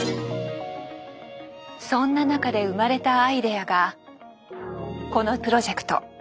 そんな中で生まれたアイデアがこのプロジェクト。